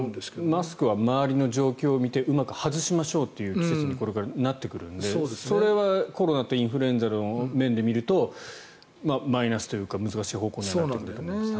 マスクは周りの状況を見てうまく外しましょうという季節にこれからなってくるのでそれはコロナとインフルエンザの面で見るとマイナスというか難しい方向にはなってくると思います。